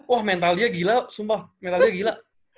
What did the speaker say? wah mental dia gila sumpah mental dia gila